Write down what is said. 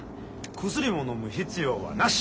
薬ものむ必要はなし！